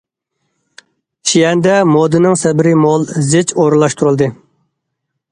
شىئەندە مودىنىڭ سەپىرى مول، زىچ ئورۇنلاشتۇرۇلدى.